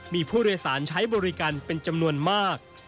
มีผู้โดยสารใช้บริการเป็นจำนวนมาก